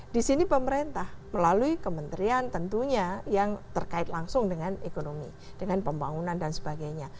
di sini pemerintah melalui kementerian tentunya yang terkait langsung dengan ekonomi dengan pembangunan dan sebagainya